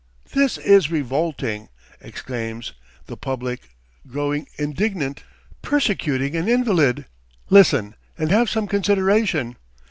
"This is revolting!" exclaims "the public," growing indignant. "Persecuting an invalid! Listen, and have some consideration!"